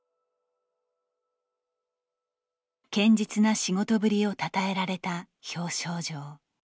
堅実な仕事ぶりをたたえられた表彰状。